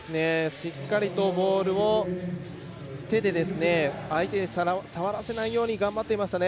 しっかりと、ボールを手で相手に触らせないように頑張っていましたね。